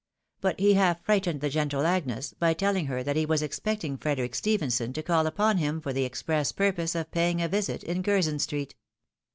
But he half fright ened the gentle Agnes, by telling her that he was expecting Frederic Stephenson to call upon hitn for the express purpose of paying a visit in Curzon street.